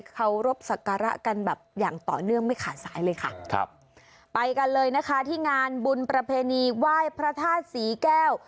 เขารบศักระกันแบบอย่างต่อเนื่องไม่ขาดสายเลยค่ะครับไปกันเลยนะคะที่งานบุญประเพณีไหว้พระธาตุศรีแก้ว